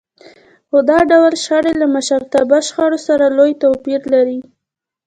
خو دا ډول شخړې له مشرتابه شخړو سره لوی توپير لري.